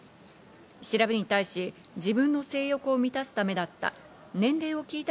調べに対し自分の性欲を満たすためだった。